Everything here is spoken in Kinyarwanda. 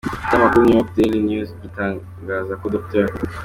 Ikinyamakuru New York Daily News gitangaza ko Dr.